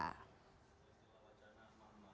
kami tetap berpikir